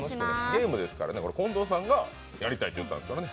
ゲームですからね、これ近藤さんがやりたいと言ったんですからね。